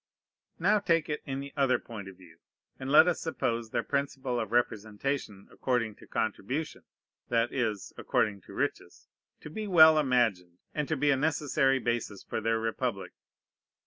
Now take it in the other point of view, and let us suppose their principle of representation according to contribution, that is according to riches, to be well imagined, and to be a necessary basis for their republic.